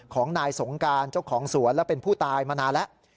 ของนายสงการเจ้าของสวนและเป็นผู้ตายมานานแล้ว